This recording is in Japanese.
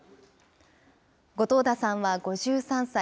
後藤田さんは５３歳。